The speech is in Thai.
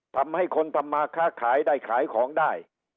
ทำให้คนทำมาค้าขายได้ขายของได้